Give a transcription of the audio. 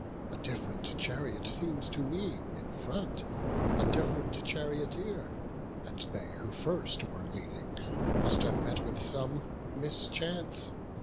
A diff'rent chariot seems to me in front, A diff'rent charioteer; and they who first Were leading, must have met with some mischance.